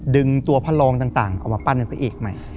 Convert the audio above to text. ดึงตัวพระรองต่างเอามาปั้นเป็นพระเอกใหม่